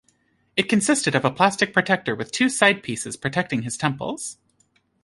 It consisted of a plastic protector with two side pieces protecting his temples.